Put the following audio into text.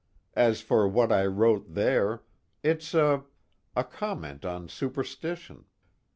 As for what I wrote there, it's a a comment on superstition.